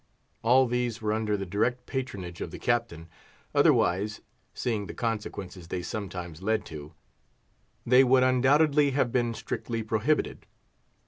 All these were under the direct patronage of the Captain, otherwise—seeing the consequences they sometimes led to—they would undoubtedly have been strictly prohibited.